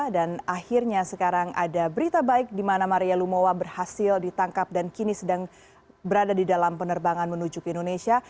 dan akhirnya sekarang ada berita baik di mana maria lumowa berhasil ditangkap dan kini sedang berada di dalam penerbangan menuju ke indonesia